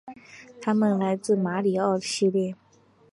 他们来自马里奥系列。